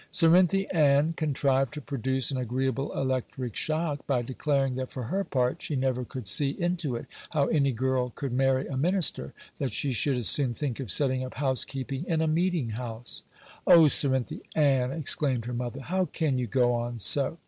Cerinthy Ann contrived to produce an agreeable electric shock, by declaring that for her part she never could see into it, how any girl could marry a minister—that she should as soon think of setting up housekeeping in a meeting house. 'O, Cerinthy Ann!' exclaimed her mother, 'how can you go on so?